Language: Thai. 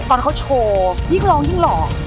ตอนเขาโชว์ยิ่งรอบยิ่งรอบ